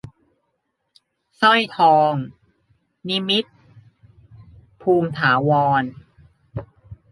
สร้อยทอง - นิมิตร ภูมิถาวร